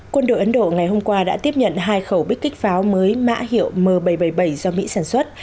quân đội ấn độ ngày hôm qua đã tiếp nhận hai khẩu bích kích pháo mới mã hiệu m bảy trăm bảy mươi bảy do mỹ sản xuất